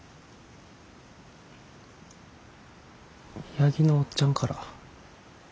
八木のおっちゃんから。